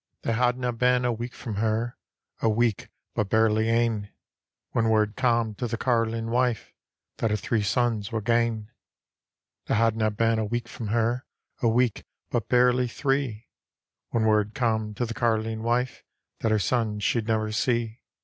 They hadna heen a week from her, A week but barely ane. When word cam' to the carlinc wife That her three sons were gane. They hadna been a week from her, A week but barely three, When word cam' to the catline wife That her sons she'd never see.